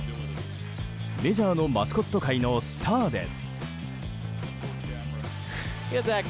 メジャーのマスコット界のスターです。